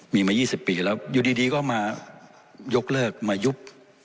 มีมา๒๐ปีแล้วอยู่ดีก็มายกเลิกมายุบ